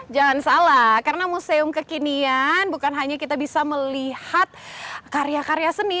jangan salah karena museum kekinian bukan hanya kita bisa melihat karya karya seni